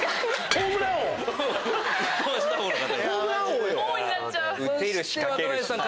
ホームラン王よ。